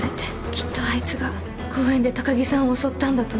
きっとあいつが公園で高城さんを襲ったんだと思う